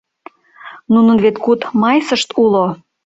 — Нунын вет куд мыйсышт уло?